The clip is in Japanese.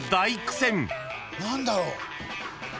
何だろう？